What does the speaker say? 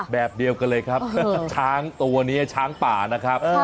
แบบเดียวกันเลยครับช้างตัวนี้ช้างป่านะครับ